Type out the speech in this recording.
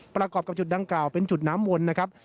ประกอบกับจุดดังกล่าวเป็นจุดน้ำวนนะครับ